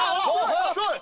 すごい。